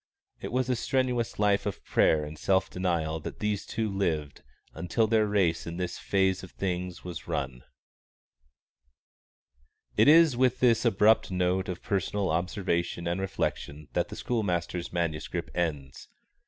It was a strenuous life of prayer and self denial that these two lived until their race in this phase of things was run. _It is with this abrupt note of personal observation and reflection that the schoolmaster's manuscript ends.